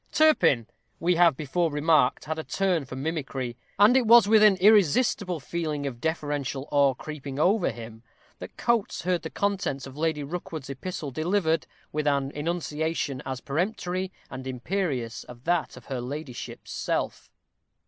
Turpin, we have before remarked, had a turn for mimicry; and it was with an irresistible feeling of deferential awe creeping over him that Coates heard the contents of Lady Rookwood's epistle delivered with an enunciation as peremptory and imperious as that of her ladyship's self.